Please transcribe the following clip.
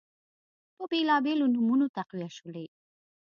په بیلابیلو نومونو تقویه شولې